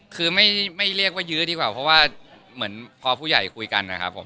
คือไม่เรียกว่ายื้อดีกว่าเพราะว่าเหมือนพอผู้ใหญ่คุยกันนะครับผม